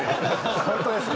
本当ですね。